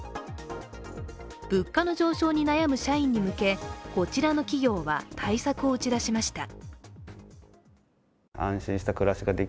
物価の上昇に悩む社員に向け、こちらの企業は対策を打ち出しました。